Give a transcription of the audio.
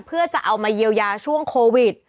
เพื่อจะเอามาเยียวยาช่วงโควิด